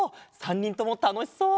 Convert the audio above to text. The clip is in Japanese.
３にんともたのしそう！